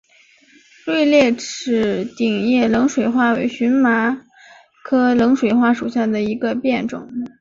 锐裂齿顶叶冷水花为荨麻科冷水花属下的一个变种。